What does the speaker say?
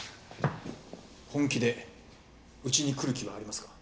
本気でうちに来る気はありますか？